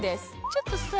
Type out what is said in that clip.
ちょっとさ